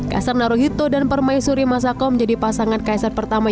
kasar naruhito dan permaisuri masako menjadi pasangan kaisar pertama